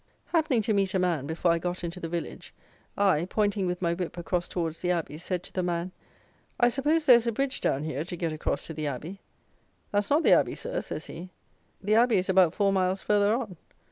Happening to meet a man, before I got into the village, I, pointing with my whip across towards the Abbey, said to the man, "I suppose there is a bridge down here to get across to the Abbey." "That's not the Abbey, Sir," says he: "the Abbey is about four miles further on."